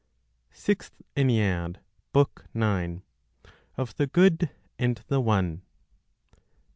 SIXTH ENNEAD, BOOK NINE. Of the Good and the One.